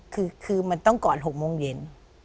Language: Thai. คือมันต้องก่อน๖โมงเย็น